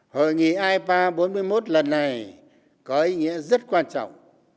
hội nghị ipa bốn mươi một lần này có ý nghĩa rất quan trọng